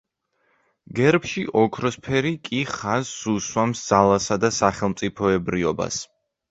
გერბში ოქროს ფერი კი ხაზს უსვამს ძალასა და სახელმწიფოებრიობას.